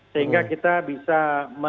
sehingga kita bisa menerapkan